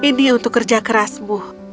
ini untuk kerja kerasmu